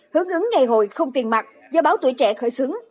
hướng ứng ngày hội không tiền mặt do báo tuổi trẻ khởi xướng